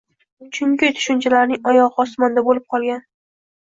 Chunki tushunchalarning «oyog‘i osmonda» bo‘lib qolgan